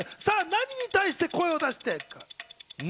何に対して声を出して？